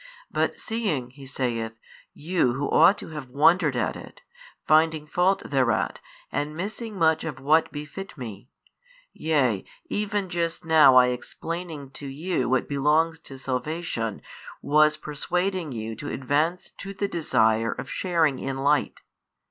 But seeing (He saith) you who ought to have wondered at it, finding fault thereat and missing much of what befit Me, yea even just now I explaining to |607 you what belongs to salvation was persuading you to advance to the desire of sharing in light.